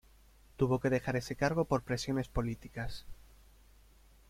Tuvo que dejar ese cargo por presiones políticas.